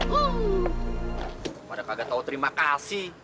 kepada kagak tahu terima kasih